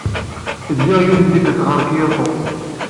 Ddiɣ yiwet n tikkelt ɣer Kyoto.